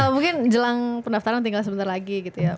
mungkin jelang pendaftaran tinggal sebentar lagi gitu ya